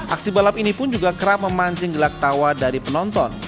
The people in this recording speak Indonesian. aksi balap ini pun juga kerap memancing gelak tawa dari penonton